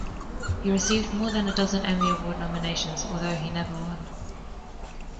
He received more than a dozen Emmy Award nominations, although he never won.